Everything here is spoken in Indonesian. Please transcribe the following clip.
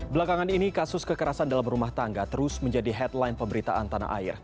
belakangan ini kasus kekerasan dalam rumah tangga terus menjadi headline pemberitaan tanah air